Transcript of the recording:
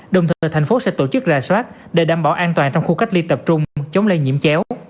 đồng thời thành phố sẽ tổ chức rà soát để đảm bảo an toàn trong khu cách ly tập trung chống lây nhiễm chéo